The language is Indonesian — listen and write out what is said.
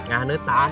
nggak ada kang